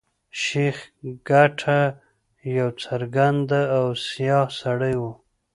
شېخ کټه يو ګرځنده او سیاح سړی وو.